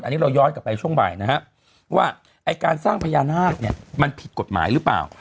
อันนี้เราย้อนกลับไปช่วงบ่ายนะฮะว่าไอ้การสร้างพญานาคเนี่ยมันผิดกฎหมายหรือเปล่า